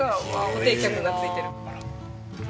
固定客がついてるみたい。